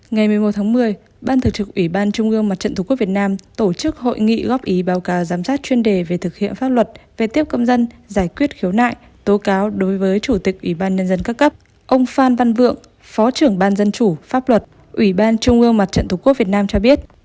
ngày một mươi một tháng một mươi ban thường trực ủy ban trung ương mặt trận tổ quốc việt nam tổ chức hội nghị góp ý báo cáo giám sát chuyên đề về thực hiện pháp luật về tiếp công dân giải quyết khiếu nại tố cáo đối với chủ tịch ủy ban nhân dân các cấp ông phan văn vượng phó trưởng ban dân chủ pháp luật ủy ban trung ương mặt trận tổ quốc việt nam cho biết